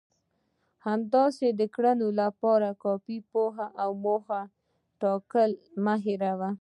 همداسې د کړنو لپاره کافي پوهه او موخه ټاکل مه هېروئ.